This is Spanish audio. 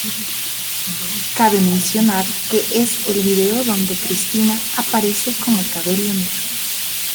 Cabe mencionar que es el vídeo donde Christina aparece con el cabello negro.